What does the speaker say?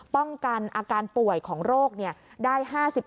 ป้องกันอาการป่วยของโรคได้๕๓